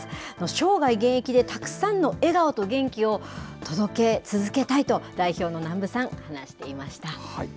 生涯現役でたくさんの笑顔と元気を届け続けたいと、代表の南部さん、話していました。